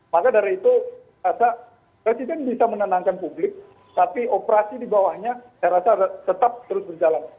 maka dari itu rasa presiden bisa menenangkan publik tapi operasi di bawahnya saya rasa tetap terus berjalan